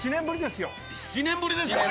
７年ぶりですか。